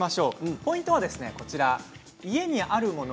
ポイントは家にあるもの